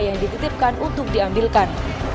yang dititipkan untuk diambilkan